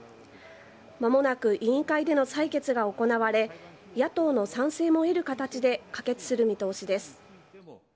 間もなく委員会での採決が行われ野党の賛成も得る形で可決する見通しです。